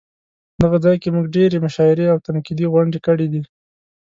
دغه ځای کې مونږ ډېرې مشاعرې او تنقیدي غونډې کړې دي.